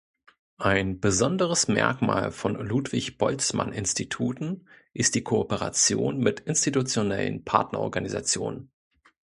Ein besonderes Merkmal von Ludwig Boltzmann Instituten ist die Kooperation mit institutionellen Partnerorganisationen.